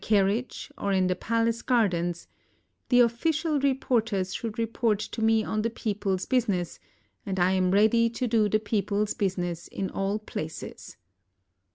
carriage, or in the pal ace gardens — the official Reporters should report to me on the people's business, and I am ready to do the people's business in all places.